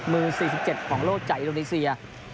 มือ๔๗ของโลกใจอิโรนิกเซีย